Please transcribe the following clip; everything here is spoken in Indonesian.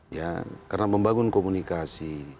ya karena membangun komunikasi